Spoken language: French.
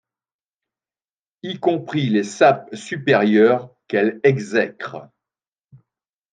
Y compris les sapes supérieures, qu’elle exècre.